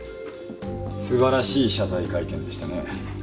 すばらしい謝罪会見でしたね。